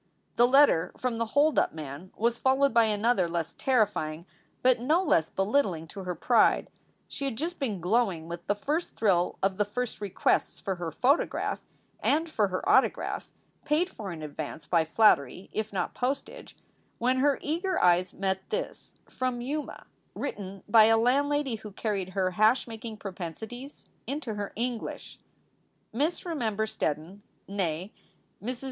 The letter from the hold up man was followed by another less terrifying, but no less belittling to her pride. She had just been glowing with the first thrill of the first requests for her photograph and for her autograph, paid for in advance by flattery, if not postage, when her eager eyes met this 356 SOULS FOR SALE from Yuma written by a landlady who carried her hash making propensities into her English: Miss REMEMBER STEDDON nee MRS.